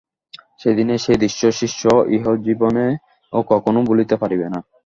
সেদিনের সেই দৃশ্য শিষ্য ইহজীবনে কখনও ভুলিতে পারিবে না।